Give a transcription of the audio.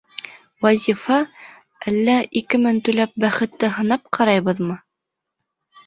Вазифа, әллә ике мең түләп бәхетте һынап ҡарайбыҙмы?